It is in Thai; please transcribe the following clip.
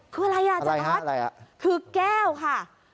คืออะไรวะอาจารย์ออสคือแก้วค่ะอะไรวะอ่ะ